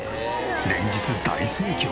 連日大盛況！